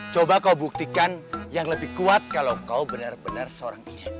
coba kau buktikan yang lebih kuat kalau kau benar benar seorang ibu